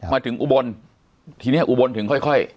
อุบลทีนี้อุบลถึงค่อย